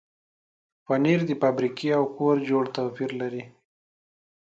پنېر د فابریکې او کور جوړ توپیر لري.